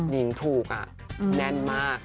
นิงถูกน่ะแน่นมาก